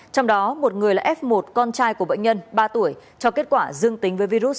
trong đó một người là f một con trai của bệnh nhân ba tuổi cho kết quả dương tính với virus sars